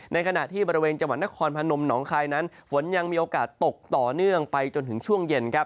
ในขณะที่บริเวณจังหวัดนครพนมหนองคายนั้นฝนยังมีโอกาสตกต่อเนื่องไปจนถึงช่วงเย็นครับ